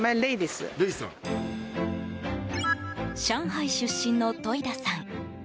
上海出身の戸井田さん。